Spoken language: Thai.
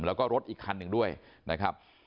แล้วก็รถอีกคันหนึ่งด้วยนะครับ